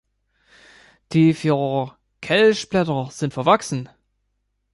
Die vier Kelchblätter sind verwachsen.